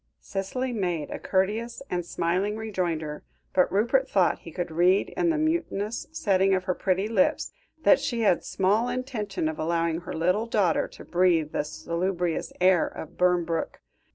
Cicely made a courteous and smiling rejoinder, but Rupert thought he could read, in the mutinous setting of her pretty lips, that she had small intention of allowing her little daughter to breathe the salubrious air of Burnbrooke.